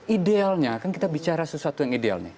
idealnya kan kita bicara sesuatu yang ideal nih